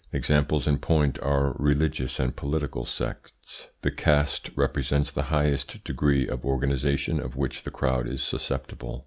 Examples in point are religious and political sects. The CASTE represents the highest degree of organisation of which the crowd is susceptible.